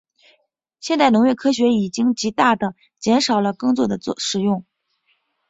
现代农业科学已经极大地减少了耕作的使用。